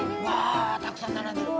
あたくさんならんでる。